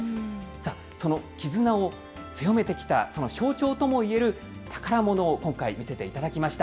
さあ、その絆を強めてきた、その象徴ともいえる宝ものを今回、見せていただきました。